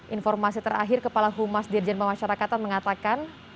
informasi terakhir kepala humas dirjen pemasyarakatan mengatakan